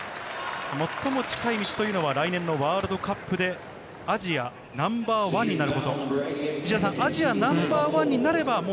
最も近い道というのは、来年のワールドカップでアジアナンバーワンになること。